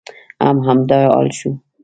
هم همدا حال شو.